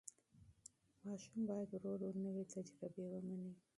ماشوم باید ورو ورو نوې تجربې ومني.